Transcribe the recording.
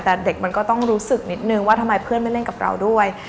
แต่เด็กมันก็ต้องรู้สึกนิดนึงว่าทำไมเพื่อนไม่เล่นกับเราด้วย